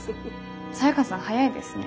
サヤカさん早いですね。